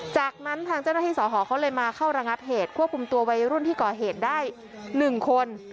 จากนั้นทางเจ้าหน้าที่สอหอเขาเลยมาเข้าระงับเหตุควบคุมตัววัยรุ่นที่ก่อเหตุได้๑คน